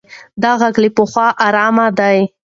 دا غږ له پخوا ارام دی.